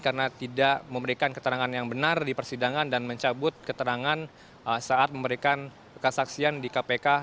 karena tidak memberikan keterangan yang benar di persidangan dan mencabut keterangan saat memberikan kesaksian di kpk